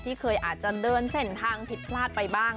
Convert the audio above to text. ที่เคยอาจจะเดินเส้นทางผิดพลาดไปบ้าง